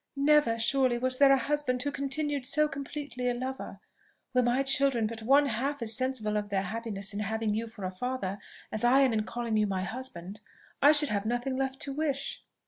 Never, surely, was there a husband who continued so completely a lover! Were my children but one half as sensible of their happiness in having you for a father as I am in calling you my husband, I should have nothing left to wish!"